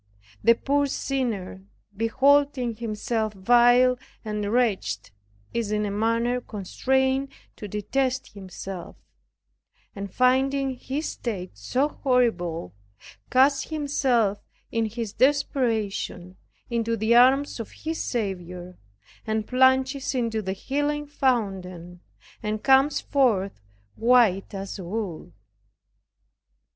The poor sinner beholds himself vile and wretched, is in a manner constrained to detest himself; and finding his state so horrible, casts himself in his desperation into the arms of his Saviour, and plunges into the healing fountain, and comes forth "white as wool."